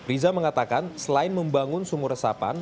riza mengatakan selain membangun sumur resapan